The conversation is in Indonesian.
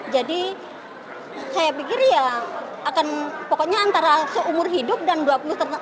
jadi saya pikir ya lah akan pokoknya antara seumur hidup dan dua puluh tahun